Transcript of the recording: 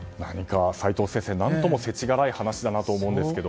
齋藤先生、何とも世知辛い話だなと思いますが。